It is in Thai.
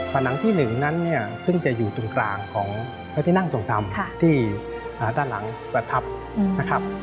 ผนังที่๑นั้นซึ่งจะอยู่ตรงกลางของพระทินักสงธรรมที่ด้านหลังประทับ